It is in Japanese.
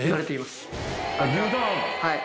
はい。